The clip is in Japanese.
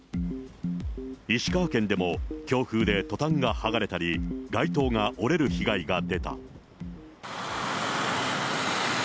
石川県でも、強風でトタンが剥がれたり、街灯が折れる被害が出た。